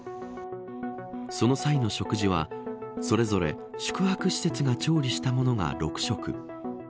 その際の食事はそれぞれ宿泊施設が調理したものが６食。